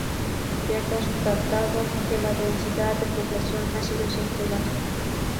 Se ha constatado que la densidad de población ha sido siempre baja.